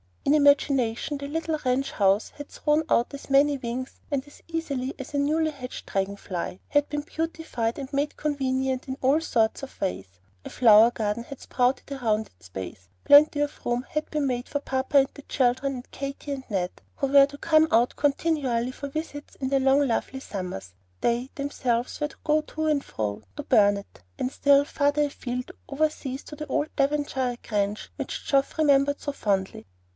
In imagination the little ranch house had thrown out as many wings and as easily as a newly hatched dragon fly, had been beautified and made convenient in all sorts of ways, a flower garden had sprouted round its base, plenty of room had been made for papa and the children and Katy and Ned, who were to come out continually for visits in the long lovely summers; they themselves also were to go to and fro, to Burnet, and still farther afield, over seas to the old Devonshire grange which Geoff remembered so fondly.